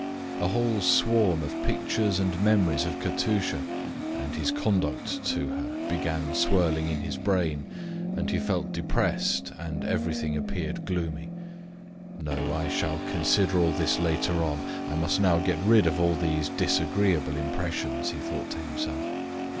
A whole swarm of pictures and memories of Katusha and his conduct to her began whirling in his brain, and he felt depressed and everything appeared gloomy. "No, I shall consider all this later on; I must now get rid of all these disagreeable impressions," he thought to himself.